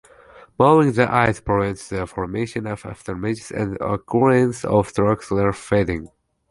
Moving the eyes prevents the formation of afterimages and the occurrence of Troxler's fading.